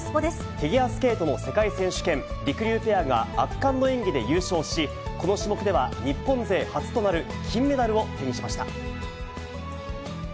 フィギュアスケートの世界選手権、りくりゅうペアが圧巻の演技で優勝し、この種目では日本勢初となる金メダルを手にしました。